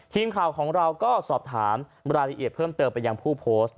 ทีมข่าวของเราก็สอบถามรายละเอียดเพิ่มเติมไปยังผู้โพสต์